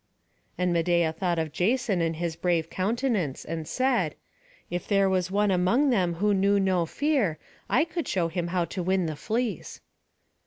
And Medeia thought of Jason and his brave countenance, and said: "If there was one among them who knew no fear, I could show him how to win the fleece."